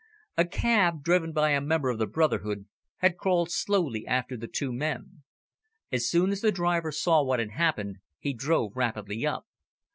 A cab, driven by a member of the brotherhood, had crawled slowly after the two men. As soon as the driver saw what had happened, he drove rapidly up.